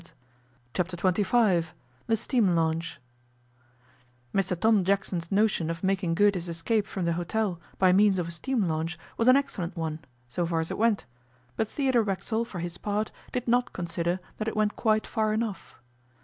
Chapter Twenty Five THE STEAM LAUNCH MR TOM JACKSON's notion of making good his escape from the hotel by means of a steam launch was an excellent one, so far as it went, but Theodore Racksole, for his part, did not consider that it went quite far enough.